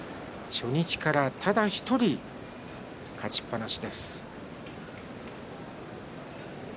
初日から、ただ１人勝ちっぱなしです。